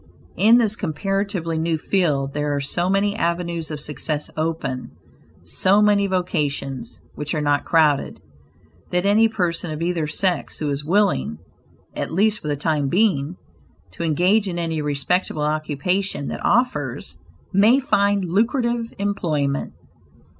In this comparatively new field there are so many avenues of success open, so many vocations which are not crowded, that any person of either sex who is willing, at least for the time being, to engage in any respectable occupation that offers, may find lucrative employment.